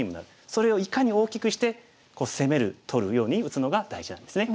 それをいかに大きくして攻める取るように打つのが大事なんですね。